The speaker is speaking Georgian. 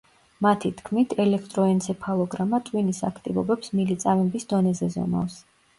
მათი თქმით, ელექტროენცეფალოგრამა ტვინის აქტივობებს მილიწამების დონეზე ზომავს.